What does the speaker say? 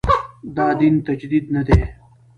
دا دین تجدید نه دی.